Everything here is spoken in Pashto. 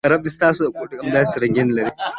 رب دې ستاسو دا ګوتې همداسې رنګینې لرې